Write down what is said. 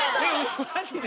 マジで。